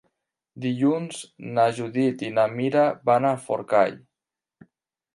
Dilluns na Judit i na Mira van a Forcall.